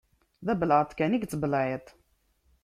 D abelεeṭ kan i yettbelεiṭ.